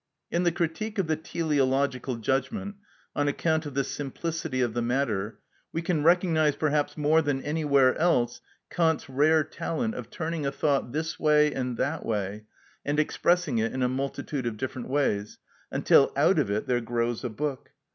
In the "Critique of the Teleological Judgment," on account of the simplicity of the matter, we can recognise perhaps more than anywhere else Kant's rare talent of turning a thought this way and that way, and expressing it in a multitude of different ways, until out of it there grows a book.